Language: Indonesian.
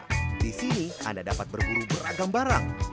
di sini anda dapat berburu beragam barang